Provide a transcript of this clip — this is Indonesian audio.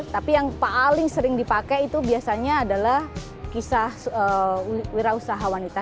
tapi yang paling sering dipakai itu biasanya adalah kisah wira usaha wanita